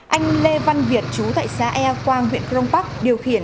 anh lê văn việt chú tại xã e quang huyện krong park